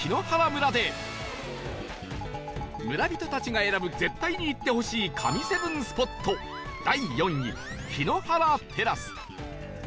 村人たちが選ぶ絶対に行ってほしい神７スポット第４位ヒノハラテラス